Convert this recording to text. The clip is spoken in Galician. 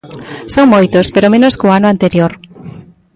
Son moitos, pero menos que o ano anterior.